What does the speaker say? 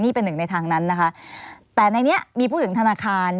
นี่เป็นหนึ่งในทางนั้นนะคะแต่ในนี้มีพูดถึงธนาคาร